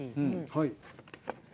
はい。